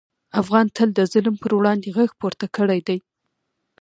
افغان تل د ظلم پر وړاندې غږ پورته کړی دی.